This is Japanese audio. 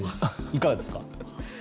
いかがですか？